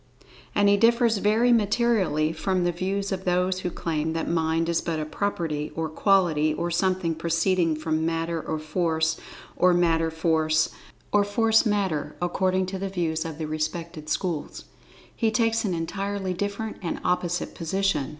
"[Pg 27] And he differs very materially from the views of those who claim that Mind is but a property, or quality, or something proceeding from Matter or Force, or Matter Force, or Force Matter—according to the views of the respective schools. He takes an entirely different and opposite position.